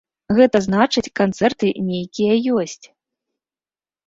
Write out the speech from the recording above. Гэта значыць, канцэрты нейкія ёсць.